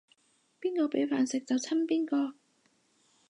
邊個畀飯食就親邊個